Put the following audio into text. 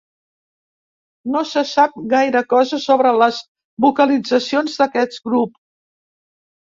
No se sap gaire cosa sobre les vocalitzacions d'aquest grup.